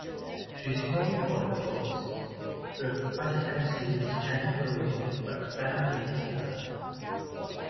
She is known for the quote, The presidency is temporary-but the family is permanent.